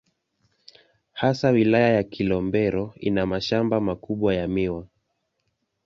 Hasa Wilaya ya Kilombero ina mashamba makubwa ya miwa.